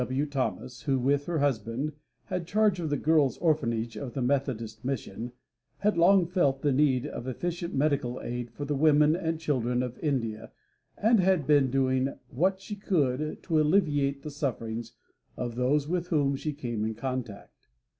D.W. Thomas, who, with her husband, had charge of the girls' orphanage of the Methodist Mission, had long felt the need of efficient medical aid for the women and children of India and had been doing what she could to alleviate the sufferings of those with whom she came in contact.